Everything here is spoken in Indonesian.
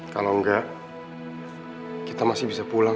kalau enggak kita masih bisa pulang